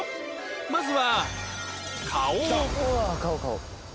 まずは